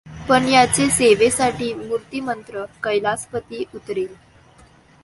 पण याचे सेवेसाठी मूर्तिमंत कैलासपति उतरेल.